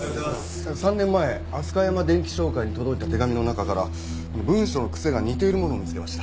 ３年前アスカヤマ電器商会に届いた手紙の中から文章の癖が似ているものを見つけました。